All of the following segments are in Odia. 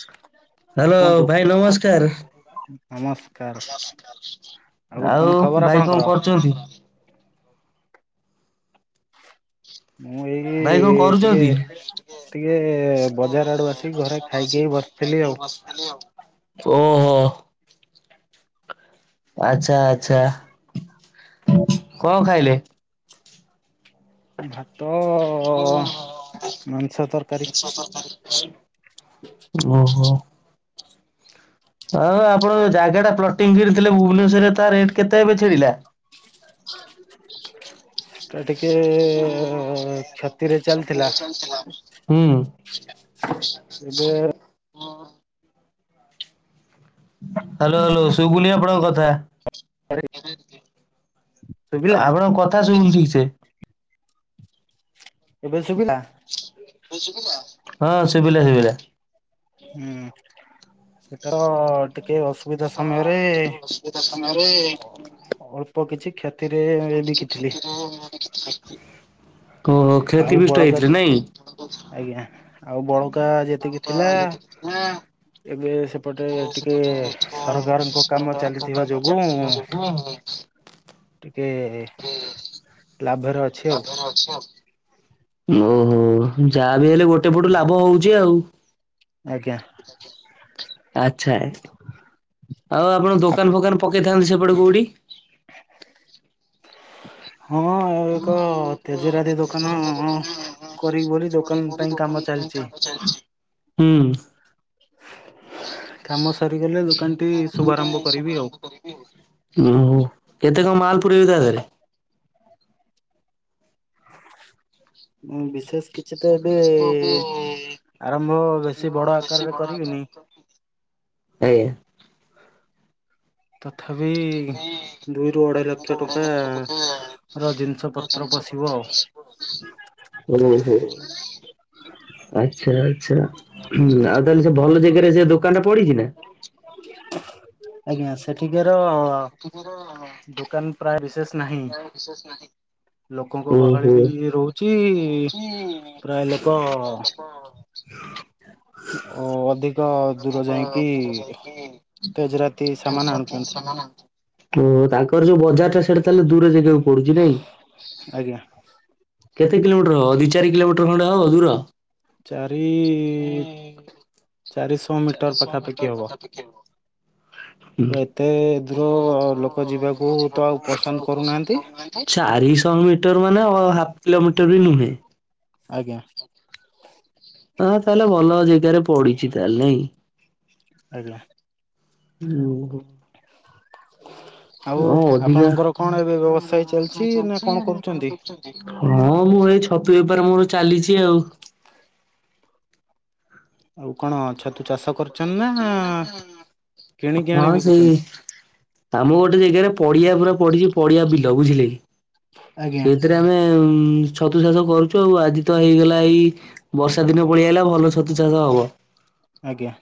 [inaudible] ହାଲୋ କୁହନ୍ତୁ ଭାଇ ନମସ୍କାର୍। ନମସ୍କାର କଣ ଆଉ ଖବର ଭାଇ ଆପଣଙ୍କର? କଣ୍ କରୁଛନ୍ତି? ମୁଁ ଏ ଭାଇ କଣ ଇଏ ଟିକେ କରୁଛନ୍ତି? ସିଏ ବଜାର୍ ଆଡ଼ୁ ଆସିିକି ଘରେ ଖାଇକେଇ ବସଥିଲି ଆଉ। ଓହୋ। ଆଛା ଆଛା, କଁ ଖାଇଲେ? ଭାତ ଅଁ ମାଂସ ତରକାରୀ ମିଛ କଥା। ଓହୋ। ସା ଆପଣ ଏ ଜାଗା ଟା ପ୍ଲଟିଂ କଣିଥିଲେ ଭୁବନେଶର ରେ ତା ରେଟ୍ କେତେ ଏବେ ଛିଡ଼ିଲା। [inaudible] ତା ଠିକ୍। ଚାଲିଥିଲା ହୁଁ। ଏବେ [inaudible] ହାଲୋ ହାଲୋ ଶୁଭୁନି ଆପଣଙ୍କ୍ କଥା। [unintelligible] ଶୁଭିଲା ଆପଣଙ୍କ କଥା ସୁବୁନି ଠିକ୍ ସେ ଏବେ ଶୁଭିଲା। ହଁ ଶୁଭିଲା ଶୁଭିଲା। ହୁଁ ସେଟାଅ ଟିକ୍ କେ ଅସ୍ ବିଧା ସମୟରେ ଅଳ୍ପ କିଛି କ୍ଷତ୍ କଣ କିଛି ଖାଦ୍ୟ ଦୋଉନ କିଛି ଖାଦ୍ୟ ଓହୋ ଆଉ କ୍ଷତି ବିିଷ୍ଟ ବଳକା ହେଇଥିଲେ ଯେ ନାଇଁ? ଆଜ୍ଞା। ଆଉ ବଳକା ଯେତିକି ଥିଲା ମୁଁ ଆଉ ଏବେ ସେପଟେ ଟିକେ ସରକାରଙ୍କ କାମ ଚାଲିଥିବା ଯୋଗୁଁ ଟିକେ ଲାବ୍ ତାପରେ ଅଛି ଆଉ ଓହୋ ଯାଆ ବିି ହେଲେ ଗୋଟେ ପଟୁ ଲାଭ ହଉଛି ଆଉ ଆଜ୍ଞା! [inaudible] ଆଚ୍ଛା [unintelligible] ଆଉ ଆପଣ ଦୋକାନ୍ ଫୋକାନ୍ ପକେଇଥାନ୍ତେ ସେପଟେ କୋଉଠି? ହଁ। ଆଉ ଏକ ତେଜରାତି ଦୋକାନ ଅଁ କରିବି ବୋଲି ଦୋକାନ ପାଇଁ କାମ ଚାଲିଚି। ହୁଁ। [inaudible] ସରିଗଲେ ଦୋକାନଟି ଶୁଭାରମ୍ଭ କରିବି ଆଉ। ଉଁ ହୁଁ କେତେ କ ମାଲ୍ ପୁରେଇବି ତା ଦେହ ରେ? [unintelligible] ମୁଁ ବିଶେଷ୍ କିଛି ତ ଏବେ ଆରମ୍ଭ ବେଶୀ ବଡ଼ ଆକାରରେ କରିବିନି। ଆଜ୍ଞା। ତଥାପି ଦୁଇରୁୁ ଅଡ଼େଇ ଲକ୍ଷ ଟଙ୍କା ର ଜିନିଷ ପତ୍ର ପଶିବ ଆଉ। ଓ ହୋ [inaudible] ଆଚ୍ଛା ଛା ହୁଁ ଆଉ ତାହେଲେ ସେ ଭଲ ଜାଗାରେ ସେ ଦୋକାନ୍ ଟା ପଡ଼ିଛି ନା? [inaudible] ଆଜ୍ଞା! ସେଠିକାର ସେଠି କାର ଦୋକାନ ପ୍ରାୟ ବିଶେଷ ନାହିଁ ନାଇଁ ବିଶ୍ୱାସ୍ ନାହିଁ। ଲୋକଙ୍କ ଗହଳି ବି ଇଏ ରହୁଛି ପ୍ରାୟ ଲୋକ ଅ ଦୂର ଯାଇଁକି ତେଜରାତ୍ [unintelligible] ତାଙ୍କର ଯୋଉ ବଜାରଟା ତାହେଲେ ଦୂର ଜାଗାକୁ ପଡ଼ୁଛି ନାଇଁ। ଆଜ୍ଞା କେତେ କିଲୋମିଟର୍ ହବ ଦି ଚାରି କିଲୋମିଟର୍ ଖଣ୍ଡେ ହବ ଦୂର। ଚାରି ଚାରିଶ ମିଟର୍ ପାଖାପାଖି ହବ। [inaudible] ତ ଏତାଏ ଦୂର ଲୋକ ଯିବାକୁ ତ ଆଉ ପସନ୍ଦ୍ କରୁନାଆନ୍ତି। ଅ ମିଟର୍ ମାନେ ଅ ହାଫ୍ କିଲୋମିଟର୍ ବି ନୁହେଁ। ଆଜ୍ଞା। ଆ ତାହେଲେ ଭଲ ଜେଗାରେ ପଡ଼ିଚି ତାହେଲ୍ ନେଇ। ଆଜ୍ଞା। ଓ ହୋ। [inaudible] ଅଁ ଅଧିକା ଆପଣଙ୍କର କଣ ଏବେ [unintelligible] ବ୍ୟବସାୟ ଚାଲିଛି ନା କଣ କରୁଛନ୍ତି ହଁ ମୁଁ ଏଇ ଛ ଅପ୍ତୁ ବେପାର ମୋର ଚାଲିଛି ଆଉ ଆଉ କଣ ଛତୁ ଚାଷ [unintelligible] କରୁଛନ୍ତି ନା କିଣିକି ଆଣି ହଁ ସେଇ ବିକୁଛନ୍ତି ଆମକୁ ଗୋଟେ ଜାଗାରେ ପଡ଼ିଆ ପୁରା ପଡ଼ିକି ପଡ଼ିଆ ବିଲ ବୁଝିଲେ କି ଆଜ୍ଞା ସେଇଥିରେ ଆମେ ଉଁ ଛତୁ ଚାଷ କରୁଛୁ ଆଉ ଆଜି ତ ହେଇଗଲା ଏଇ ବର୍ଷା ଦିନ ପଳେଇଆଇଲା ଆଉ ଭଲ ଛତୁ ଚାଷ ହବ। ଆଜ୍ଞା।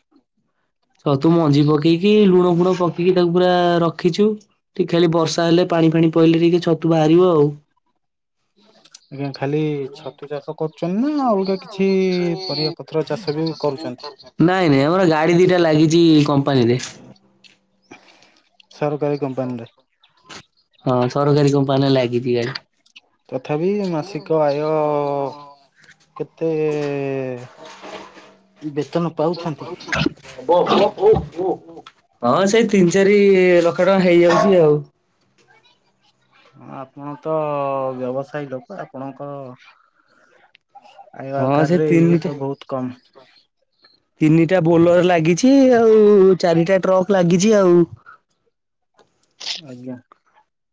ଛତୁ ମଞ୍ଜି ପକେଇକି ଲୁଣ ଫୁଣ ପକେଇକି ତାକୁ ପୁରା ରଖିଛୁ ଟି ଖାଲି ବର୍ଷା ହେଲେ ପାଣି ଫାଣି ପଇଲେ ଟିକେ ଛତୁ ବାହାରିବ [unintelligible] ଆଉ ଆଜ୍ଞା ଖାଲି ଛତୁ ଚାଷ କ କରୁଛନ୍ତି ପତ୍ର ନା ଚାଷ ବି କରୁଛନ୍ତି? [unintelligible] ନାଇଁ ନାଇଁ ଆମର ଗାଡି ଦିଟା ଲାଗି ବି କମ୍ପାନୀରେ ସରକାରୀ କମ୍ପାନୀରେ ହଁ ସରକାରୀ କମ୍ପାନି ରେ ଲାଗିଛି ଗାଡ଼ି। ତଥାପି ମାସିକ ଆୟ-ଅ -ଅ କେତେ ବେତନ ପାଉଛନ୍ତି? ଓ ଓ ଓ ହଁ ସେଇ ତିନ ଚାରି ଲ [unintelligible] ହେଇଯାଉଚି। ହଁ ଆପଣ ତ ବ୍ୟବସାୟୀ ଲୋକ ଆପଣଙ୍କ ଖାଇବା ହଁ ସେ ଆକାରରେ ଇଏ ତିନିଟା ତ ବହୁତ୍ କମ୍। ତିନିଟା ବୋଲର୍ ଲାଗିଛି ଆଉ ଚାରିଟା ଟ୍ରକ୍ ଲାଗିଛି ଆଉ। ଆଜ୍ଞା।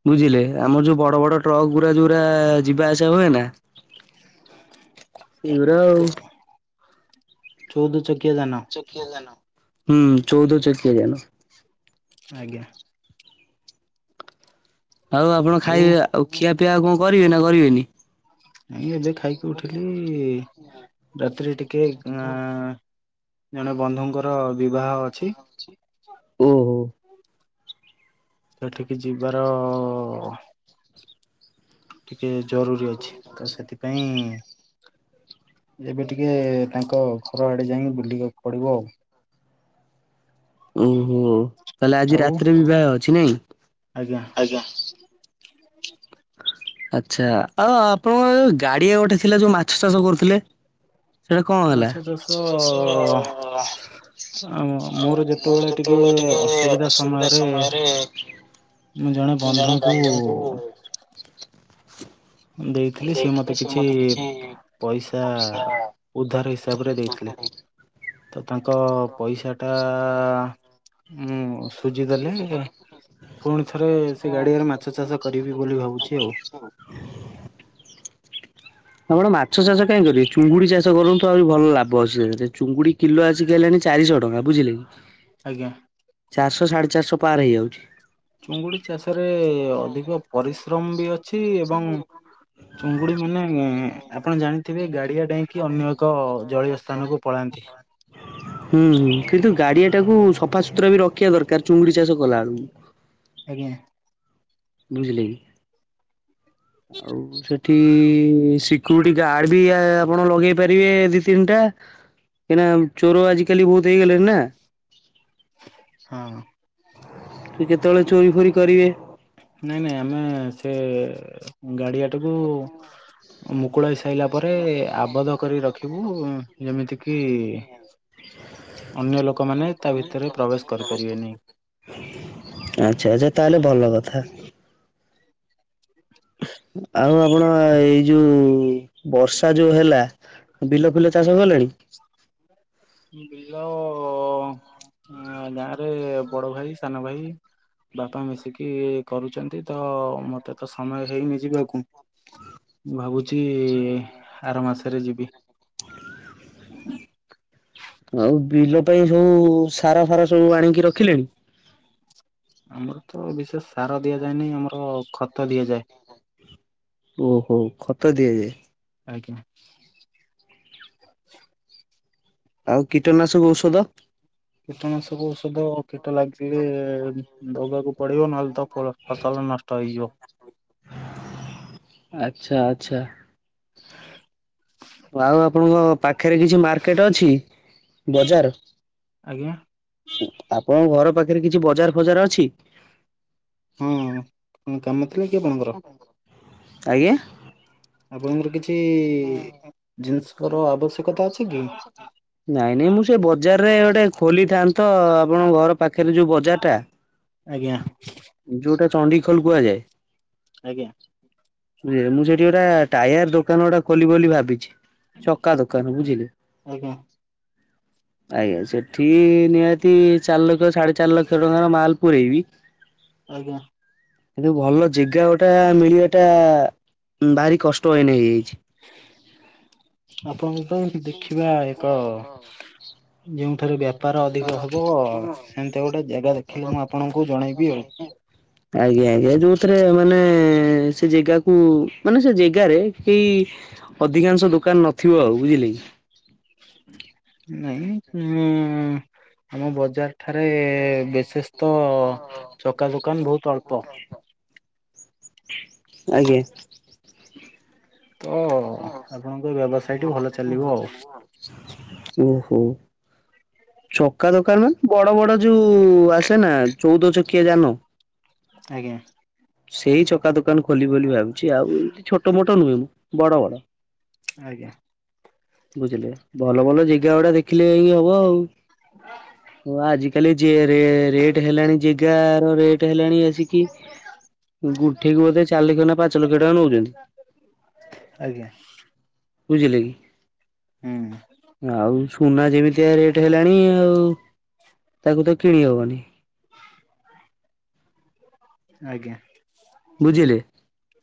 ବୁଝିଲେ ଆମର୍ ଯୋଉ ବଡ଼ ବଡ଼ ଟ୍ରକ୍ ଗୁରା ଯୋଉ ଗୁରା ଯିବା ଆସିବା ହୁଏ ନା। ୟୁରା ଆଉ ଚୋଉଦ ଚକ୍ ଚକିଆ ଜାନ ହୁଁ ଚଉଦ ଚକିଆ ଜାନ। ଆଜ୍ଞା। ଆଉ ଆପଣ ଆଉ ଖାଇବେ ଆ ଉଖିଆ ପିଆ ଆଉ କଣ କରିବେ ନା କରିବେନି? ଏଇ ଏବେ ଖାଇକି ଉଠିଲି ରାତିରେ ଟିକେ ଆଁ ଜଣେ ବନ୍ଧୁଙ୍କର ବିବାହ ଅଛି। ଓହୋ। ଏଠିକି ଯିବାର ଅ ଟିକେ ଜରୁରୀ ଅଛି ତ ସେଥିପାଇଁ ଏବେ ଟିକେ ତାଙ୍କ ଘର ଆଡ଼େ ଯାଇଁକି ବୁଲିବାକୁ ପଡିବ ଆଉ। ଓହୋ ତାହେଲେ ଆଜି ଆଉ ରାତିରେ ବିବାହ ଅଛି ନାଇଁ? ଆଜ୍ଞା ଆଚ୍ଛା ଆଉ ଆପଣଙ୍କର ଏ ଗାଡ଼ିଆ ଗୋଟେ ଥିଲା ଯୋଉ ମାଛ ଚାଷ କରୁଥିଲେ? ସେଟା କଁ ହେଲା ମାଛ ଚାଷ ଆଉ ମୋର ଯେତେବେଳେ ଏ ଟିକେ ଅସୁବିଧା ସମୟରେ ମୁଁ ଜଣେ ବନ୍ଧୁଙ୍କୁ [inaudible] ଦେଇଥିଲି ସେ ମତେ କିଛି ପଇସା ଉଦ୍ଧାର ହିସାବରେ ଦେଇଥିଲେ। ତ ତାଙ୍କ ପଇସାଟା ମୁଁ ସୁଝି ଦେଲେ, ପୁଣି ଥରେ ସେ ଗାଡ଼ିଆରେ ମାଛ ଚାଷ କରିବି ବୋଲି ଭାବୁ [inaudible] ଆପଣ ମାଛ ଚାଷ କାଇଁ କରିବେ, ଚୁଙ୍ଗୁଡ଼ି ଚାଷ କରନ୍ତୁ ଆହୁରି ଭଲ ଲାଭ ଅଛି ସେଥିରେ। ଚୁଙ୍ଗୁଡ଼ି କିଲୋ ଆସି ଦେଲେଣି ଚାରିଶ ଟଙ୍କା ବୁଝିଲେ କି? ଆଜ୍ଞା। ଚାରିଶ ସାଢ଼େ ଚାରିଶ ପାର ହେଇଯାଉଛି। ଚୁଙ୍ଗୁଡ଼ି ଚାଷରେ ଅଧିକ ପରିଶ୍ରମ ବି ଅଛି ଏବଂ ଚୁଙ୍ଗୁଡ଼ି ମାନେ ଏ ଆପଣ ଜାଣିଥିବେ ଗାଡ଼ିଆ ଡେଇଁକି ଅନ୍ୟ ଏକ ଜଳୀୟ ସ୍ଥାନକୁ ପଳାନ୍ତି। ହୁଁ ହୁଁ କିନ୍ତୁ ଗାଡ଼ିଆ ଟାକୁ ସଫ୍ ପତ୍ର ବି ରଖିଆ ଦରକାର୍ ଚୁଙ୍ଗୁଡ଼ି ଚାଷ କଲା ବେଳକୁ ଆଜ୍ଞା। ବୁଝିଲେ କି? ଆଉ ସେ ଇଠି ସିକ୍ୟୁରିଟି ଗାର୍ଡ ବି ଆ-ଆପଣ ଲଗେଇ ପାରିବେ ଦି ତିନଟା କାଇଁନା ଚୋର ଆଜିକାଲି ବହୁତ୍ ହେଇଗଲେଣି ନା। ହଁ। ସିଏ ଯେତେବେଳେ ଚୋରି ଫୋରି କରିବେ ନାଇଁ ନାଇଁ ଆମେ ସେ ଗାଡ଼ିଆଟାକୁ ମୁ ଖୁଳା ହେଇ ସାଇଲା ପରେ ଆବଧ କରି ରଖିବୁ ଉଁ ଯେମିତି କିି ଅନ୍ୟ ଲୋକମାନେ ତା ଭିତେରେ ପ୍ରବେଶ କରିପାରିବେନି। [inaudible] ଆଛା ଆଛା ତାହେଲେ ଭଲ କଥା। [inaudible] ଆଉ ଆପଣ ଏଇ ଯୋଉ ବର୍ଷା ଯୋଉ ହେଲା ବିଲ ଫିଲ ଚାଷ କଲେଣି। ବିଲ ଏଁ ଗାଁରେ ବଡ଼ ଭାଇ ସାନ ଭାଇ। ବାପା ମିଶିକି କରୁଚନ୍ତି ତ ମତେ ତ ସମୟ ହେଇନି ଯିବାକୁ। ମୁଁ ଭାବୁଛି ଆର ମାସରେ ଯିବି। ଆଉ ବିଲ ପାଇଁ ସବୁ ସାର ଫାର ସବୁ ଆଣିକି ରଖିଲେଣି? ଆମର ତ ବିଶେଷ ସାର ଦିଆଯାଏନହିଁ ଆମର ଖତ ଦିଆଯାଏ। ଓ ହୋ ଖତ ଦିଆଯାଏ। ଆଜ୍ଞା। ଆଉ କୀଟନାଶକ ଔଷଧ। କୀଟନାଶକ ଔଷଧ କୀଟ ଲାଗିଲେ ଦବାକୁ ପଡିବ ଓ ନ ହେଲେ ତ ଫଳ ଫସଲ ନଷ୍ଟ ହେଇଯିବ। ଆଛା ଆଚ୍ଛା। ଆଉ ଆପଣଙ୍କ ପାଖରେ କିଛି ମାର୍କେଟ ଅଛି ବଜାର ଆଜ୍ଞା ଆପଣଙ୍କ ଘର ପାଖରେ କିଛି ବଜାର ଫଜାର ଅଛି। ହଁ କଣ କାମ ଥିଲା କି ଆପଣଙ୍କର ଆଜ୍ଞା। ଆପଣଙ୍କର କିଛି [unintelligible] କିଛି ଜିନିଷର ଆବଶ୍ୟକ ତା ଅଛି କି ନାଇଁ ନାଇଁ ମୁଁ ସେ ବଜାର ରେ ଗୋଟେ ଖୋଲିଥାନ୍ତି। ତ ଆପଣଙ୍କ ଘର ପାଖରେ ଯୋଉ ବଜାର ଟା ଆଜ୍ଞା ଯୋଉଟା ଚଣ୍ଡୀ ଖୋଲ କୁହାଯାଏ। ଆଜ୍ଞା। ରେ ମୁଁ ସେଠି ଗୋଟେ ଟାୟାର ଦୋକାନ ଗୋଟା ଖୋଲିବି ବୋଲି ଭାବିଛି। ଚକା ଦୋକାନ ବୁଝିଲେ। ଆଜ୍ଞା [inaudible] ଆଜ୍ଞା ସେଠି ନିହାତି ଚାରି ଲକ୍ଷ ସାଢେ ଚାରି ଲକ୍ଷ ଟଙ୍କାର ମାଲ ପୁରେଇବି। ଆଜ୍ଞା। କିନ୍ତୁ ଭଲ ଜିଗା ଗଟା ମିଳିବା ଟା ଭାରି କଷ୍ଟ ଆହିନେ ହେଇ [unintelligible] ଆପଣଙ୍କ ତ ଏ ଦେଖିବା ଏକ ଯେଉଁ ଥରେ ବେପାର ଅଧିକ ହବ ସେମିତି ଗୋଟେ ଜାଗା ଦେଖିଲେ ମୁଁ ଆପଣଙ୍କୁ ଜଣେଇବି ଆଉ। [unintelligible] ଆଜ୍ଞା ଆଜ୍ଞା ଯୋଉଥିରେ ମାନେ ସେ ଜାଗାକୁ ମାନେ ସେ ଜେଗାରେ କେହି ଅଧିକାଂଶ ଦୋକାନ ନଥିବ ଆଉ ବୁଝିଲେ କି। [unintelligible] ନାଇଁ ଉଁ ଆମ ବଜାର ଠାରେ ବେଶେଷ ତ ଚକା ଦୋକାନ ବହୁତ ଅଳ୍ପ। ଆଜ୍ଞା। ତ ହ ଆପଣଙ୍କ ବ୍ୟବସାୟ ଟି ଭଲ ଚାଲିବ ଆଉ [unintelligible] ଓହୋ। ଚକା ଦୋକାନ ବଡ ବଡ ଯୋଉ ଆସେ ନା ଚଉଦ ଚକିଆ ଯାନ। ଆଜ୍ଞା। ସେଇ ଚକା ଦୋକାନ ଖୋଲି ବୋଲି ଭାବୁଛି ଆଉ ଏ ଛୋଟ ମୋଟ ନୁହେଁ ମୁଁ ବଡ ବଡ। ଆଜ୍ଞା। ବୁଝିଲେ ଭଲ ଭଲ ଜାଗା ଗୁଡା ଦେଖିଲେ ଏଇ ହବ ଆଉ ଆଜି ହେଲେ ଜିଏ ରେ ରେଟ ହେଲାଣି ଜେଗା ର ରେଟ ହେଲାଣି ଆସିକି ଗୁଣ୍ଠେକୁ ବୋଧେ ଚାରି ଲକ୍ଷ ନା ପାଞ୍ଚ ଲକ୍ଷ ଟଙ୍କା ନଉଛନ୍ତି ଆଜ୍ଞା। ବୁଝିଲେ କି? ହୁଁ। ଆଉ ସୁନା ଯେମିତିଆ ରେଟ୍ ହେଲାଣି ଆଉ ତାକୁ ତ କିଣି ହବନି। ଆଜ୍ଞା। ବୁଝିଲେ।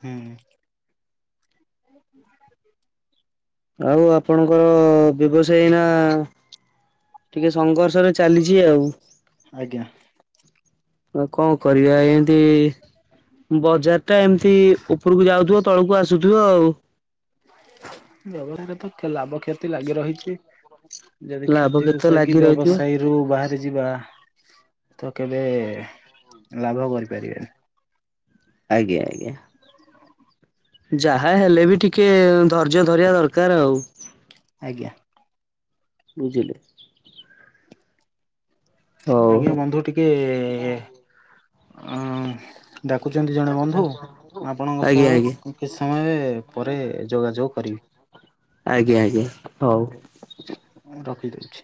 ହୁଁ। ଆଉ ଆପଣଙ୍କର ବ୍ୟବସାୟୀନା ଟିକେ ସଂଘର୍ଷ ରେ ଚାଲିଛି ଆଉ। ଆଜ୍ଞା। ଆଉ କଣ କରିବା ଏଁତି ବଜାର ଟା ଏମିତି ଉପରକୁ ଯାଉଥିବ। ତଳକୁ ଆସୁଥିବ ଆଉ। ବ୍ୟବହରରେ ତ ଲାଭ କ୍ଷତି ଲାଗି ରହିଛି। ଯଦି ଲାଭ କ୍ଷତିକୁ କ୍ଷତ ସଇକି ଲାଗି ରହିଥିବ ବ୍ୟବସାୟୀରୁ ବାହାରି ଯିବା! ତ କେବେ ଲାଭ କରିପାରିବେନି। ଆଜ୍ଞା ଆଜ୍ଞା। ଯାହା ହେଲେ ବି ଟିକେ ଧୈର୍ଯ୍ୟ ଧରିବା ଦରକାର ଆଉ। ଆଜ୍ଞା। ବୁଝିଲି। ଆଜ୍ଞା, ବନ୍ଧୁ ଟିକେ-ଏ-ଏ ଅଁ ଡାକୁଛନ୍ତି ଜଣେ ବନ୍ଧୁ। ଆପଣଙ୍କ ଆଜ୍ଞା ସହ ଆଜ୍ଞା କିଛି ସମୟ ପରେ ଯୋଗାଯୋଗ କରିବି। ଆଜ୍ଞା ଆଜ୍ଞା ହଉ। ଦଉଛି।